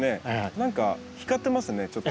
何か光ってますねちょっと。